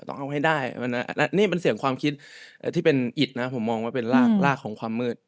นี่เป็นเสียงความคิดที่เป็นอิตนะผมมองว่าเป็นรากของความมืด